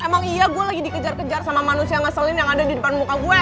emang iya gue lagi dikejar kejar sama manusia ngeselin yang ada di depan muka gue